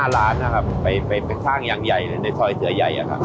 ๕ล้านนะครับไปท่างอย่างใหญ่ในถอยเสือใหญ่อะค่ะ